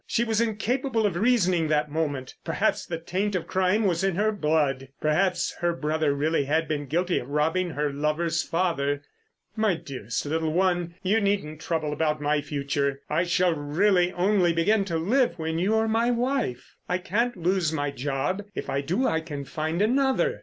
She was incapable of reasoning that moment. Perhaps the taint of crime was in her blood. Perhaps her brother really had been guilty of robbing her lover's father. "My dearest little one, you needn't trouble about my future. I shall really only begin to live when you're my wife. I can't lose my job—if I do I can find another.